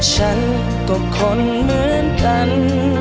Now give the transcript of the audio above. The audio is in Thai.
ฉันก็คนเหมือนกัน